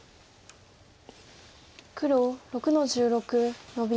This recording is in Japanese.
黒６の十六ノビ。